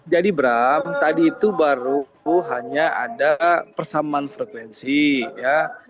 jadi bram tadi itu baru hanya ada persamaan frekuensi ya